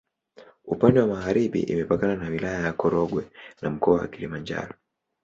Upande wa magharibi imepakana na Wilaya ya Korogwe na Mkoa wa Kilimanjaro.